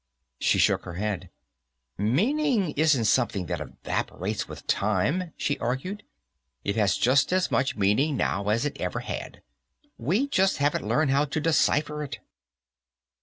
She shook her head. "Meaning isn't something that evaporates with time," she argued. "It has just as much meaning now as it ever had. We just haven't learned how to decipher it."